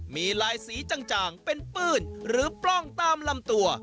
มีลายสีจ่างเป็นปื้นหรือปล้องตามลำตัว